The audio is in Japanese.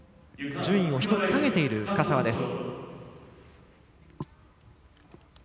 順位を１つ下げている深沢です。